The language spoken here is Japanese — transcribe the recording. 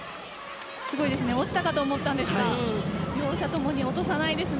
落ちたかと思ったんですが両者ともに落とさないですね。